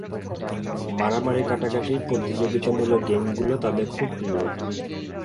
মারামারি কাটাকাটির প্রতিযোগিতামূলক গেমগুলো তাদের খুব প্রিয়।